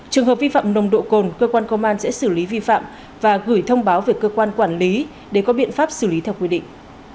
trường hợp vi phạm nồng độ cồn cơ quan công an sẽ xử lý vi phạm và gửi thông báo về cơ quan quản lý để có biện pháp xử lý theo quy định